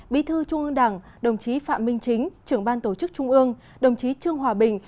bí thư trung ương đảng đồng chí phạm minh chính trưởng ban tổ chức trung ương đồng chí trương hòa bình